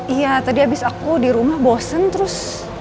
iya tadi abis aku di rumah bosen terus